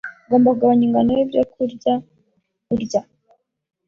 Ugomba kugabanya ingano yibyo kurya urya.